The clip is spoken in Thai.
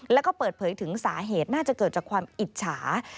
แล้วก็เปิดเผยถึงสาเหตุน่าจะเกิดจากความอิจฉา